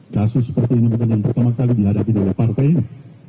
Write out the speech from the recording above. kasus seperti ini bukan yang pertama kali dihadapi oleh partai ini